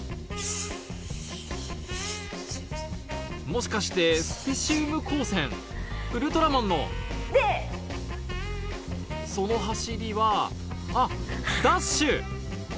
もしかしてスペシウム光線ウルトラマンのその走りはあっダッシュ！